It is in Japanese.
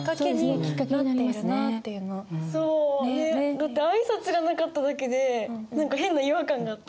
だって挨拶がなかっただけで何か変な違和感があった。